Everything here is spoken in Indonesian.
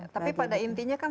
tapi pada intinya kan